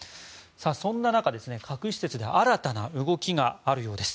そんな中、核施設で新たな動きがあるようです。